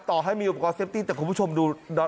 ต่อให้มีอุปกรณ์เซฟตี้แต่คุณผู้ชมดู